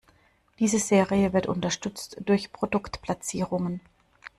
Diese Serie wird unterstützt durch Produktplatzierungen.